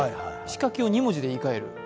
仕掛けを２文字で言い換える？